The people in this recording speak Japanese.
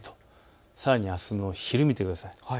さらにあすの昼を見てください。